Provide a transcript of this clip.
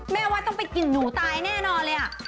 แม่ว่าต้องไปกินหนูตายแน่นอนเลย